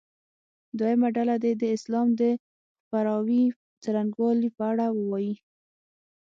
دویمه ډله دې د اسلام د خپراوي څرنګوالي په اړه ووایي.